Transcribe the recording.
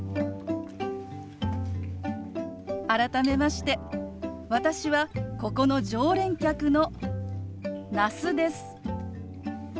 改めまして私はここの常連客の那須です。